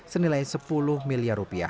bernilai sepuluh miliar rupiah